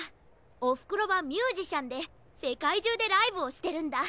おふくろはミュージシャンでせかいじゅうでライブをしてるんだ。